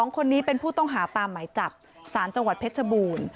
๒คนนี้เป็นผู้ต้องหาตามหมายจับสารจังหวัดเพชรบูรณ์